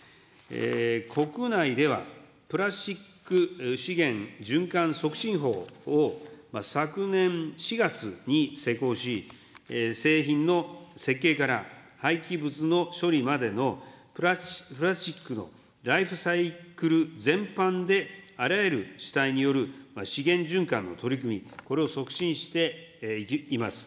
国内では、プラスチック資源循環促進法を昨年４月に施行し、製品の設計から廃棄物の処理までのプラスチックのライフサイクル全般であらゆる主体による資源循環の取り組み、これを促進しています。